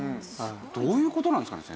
どういう事なんですかね？